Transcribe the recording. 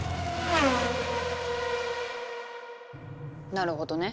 なるほどね。